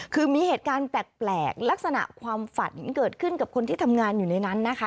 คือมีเหตุการณ์แปลกลักษณะความฝันเกิดขึ้นกับคนที่ทำงานอยู่ในนั้นนะคะ